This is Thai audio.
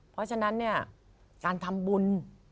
เพราะฉะนั้นเนี่ยการทำบุญ